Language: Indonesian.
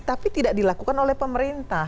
tapi tidak dilakukan oleh pemerintah